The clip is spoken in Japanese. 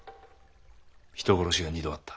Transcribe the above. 人殺しが２度あった。